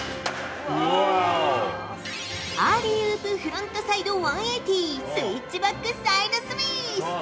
アーリーウープフロントサイド１８０スイッチバックサイドスミス！